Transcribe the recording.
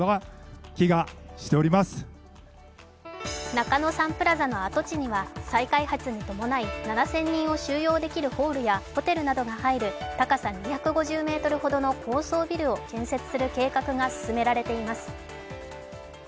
中野サンプラザの跡地には、再開発に伴い、７０００人を収容できるホールやホテルなどが入る高さ２５０ｍほどの高層ビルを建設する計画が進められています。